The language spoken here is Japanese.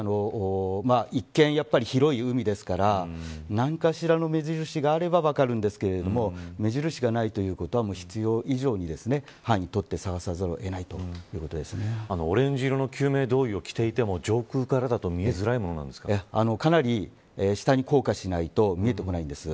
一見、広い海ですから何かしらの目印があれば分かるんですけれども目印がないということは必要以上に範囲をとって捜さざるオレンジ色の救命胴衣を着ていても上空からだとかなり下に降下しないと見えてこないんです。